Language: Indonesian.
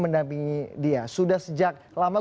mendampingi dia sudah sejak lama